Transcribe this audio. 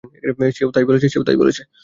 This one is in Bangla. সেও তাই বলেছে।